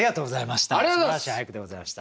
すばらしい俳句でございました。